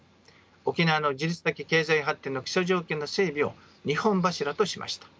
沖縄の自立的経済発展の基礎条件の整備を二本柱としました。